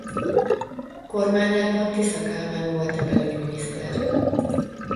Kormányában Tisza Kálmán volt a belügyminiszter.